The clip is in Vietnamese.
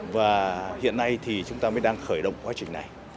và hiện nay thì chúng ta mới đang khởi động quá trình này